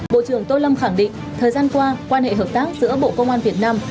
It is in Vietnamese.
bộ trưởng tô lâm khẳng định thời gian qua quan hệ hợp tác giữa bộ công an việt nam